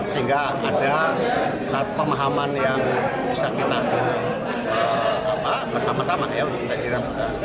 sehingga ada satu pemahaman yang bisa kita bersama sama ya